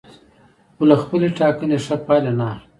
خو له خپلې ټاکنې ښه پایله نه اخلي.